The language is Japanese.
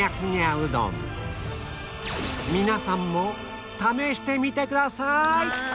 皆さんも試してみてください！